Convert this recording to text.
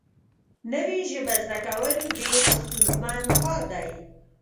نوې ژبه زده کول ډېر ستونزمن کار دی